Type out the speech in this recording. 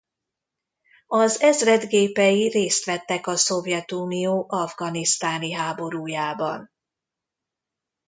Az ezred gépei részt vettek a Szovjetunió afganisztáni háborújában.